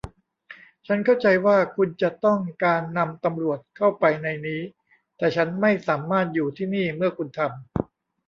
ฉันเข้าใจว่าคุณจะต้องการนำตำรวจเข้าไปในนี้ แต่ฉันไม่สามารถอยู่ที่นี่เมื่อคุณทำ